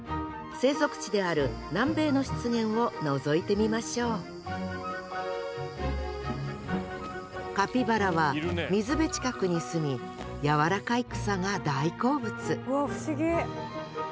生息地である南米の湿原をのぞいてみましょうカピバラは水辺近くに住み柔らかい草が大好物うわ不思議。